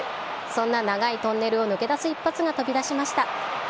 そんな長いトンネルを抜け出す一発が飛び出しました。